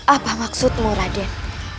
apa maksudmu raden